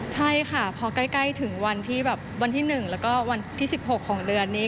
ใช่ค่ะเพราะใกล้ถึงวันที่๑และวันที่๑๖ของเดือนนี้